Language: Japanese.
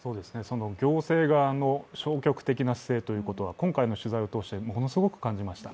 行政側の消極的な姿勢ということは今回の取材を通してものすごく感じました。